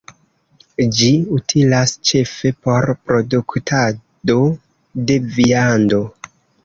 Ĝi utilas ĉefe por produktado de viando.